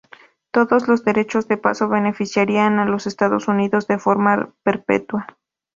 Todos los derechos de paso beneficiarían a los Estados Unidos de forma perpetua.